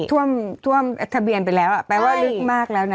ท่วมท่วมทะเบียนไปแล้วแปลว่าลึกมากแล้วนะ